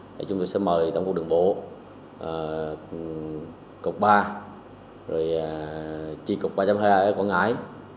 thì chúng tôi sẽ mời tổng cục đường bộ cục ba chi cục ba hai ở quảng ngãi